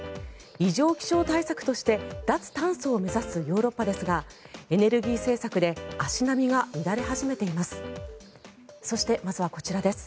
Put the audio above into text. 異常気象対策として脱炭素を目指すヨーロッパですがエネルギー政策で足並みが乱れ始めています。